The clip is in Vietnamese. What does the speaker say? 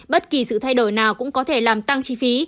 bất kỳ sự thay đổi nào cũng có thể làm tăng chi phí